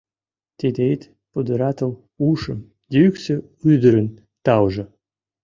«Тиде, ит пудыратыл ушым, Йӱксӧ ӱдырын таужо!»